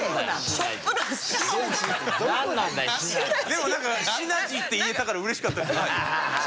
でもなんかシナジーって言えたからうれしかったでしょ？